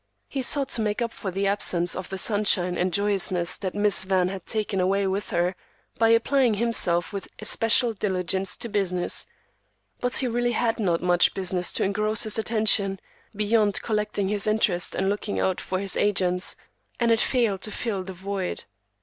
He sought to make up for the absence of the sunshine and joyousness that "Miss Van" had taken away with her, by applying himself with especial diligence to business; but he really had not much business to engross his attention, beyond collecting his interest and looking out for his agents, and it failed to fill the void.